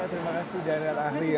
terima kasih daniel ahli